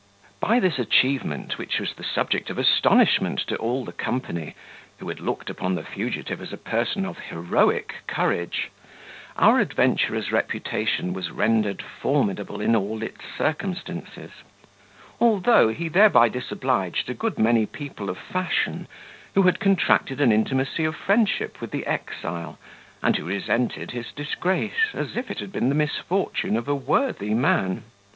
By this achievement, which was the subject of astonishment to all the company, who had looked upon the fugitive as a person of heroic courage, our adventurer's reputation was rendered formidable in all its circumstances; although he thereby disobliged a good many people of fashion, who had contracted an intimacy of friendship with the exile, and who resented his disgrace, as if it had been the misfortune of a worthy man.